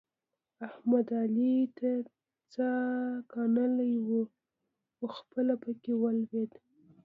احمد؛ علي ته څا کنلې وه؛ خو خپله په کې ولوېد.